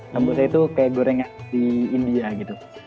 sambosa itu kayak gorengan di india gitu